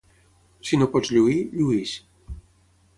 Si no pots lluir, llueix.